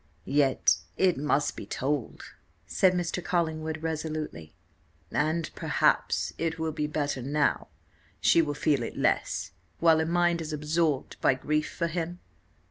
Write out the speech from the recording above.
"Yet it must be told," said Mr. Collingwood, resolutely "and perhaps it will be better now; she will feel it less, while her mind is absorbed by grief for him."